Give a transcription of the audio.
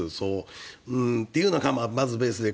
っていうのがまずベースで。